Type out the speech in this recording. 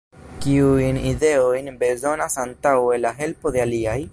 Kiujn ideojn bezonas antaŭe la helpo de aliaj?